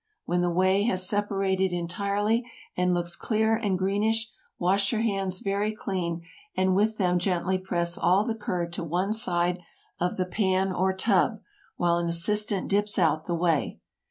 When the whey has separated entirely, and looks clear and greenish, wash your hands very clean, and with them gently press all the curd to one side of the pan or tub, while an assistant dips out the whey.